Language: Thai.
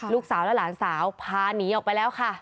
ลูกสาวและหลานสาวพาหนีออกไปแล้วค่ะ